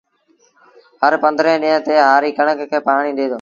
هرپنڌرهين ڏيݩهݩ تي هآري ڪڻڪ کي پآڻيٚ ڏي دو